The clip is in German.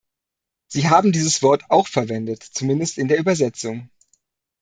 Sie haben dieses Wort auch verwendet, zumindest in der Übersetzung.